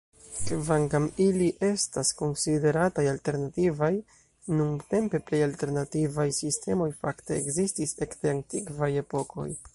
Kvankam ili estas konsiderataj "alternativaj" nuntempe, plej alternativaj sistemoj fakte ekzistis ekde antikvaj epokoj.